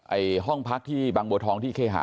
ห้องพักที่บางบัวทองที่เคหา